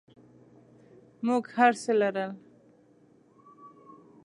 موږ هرڅه لرل.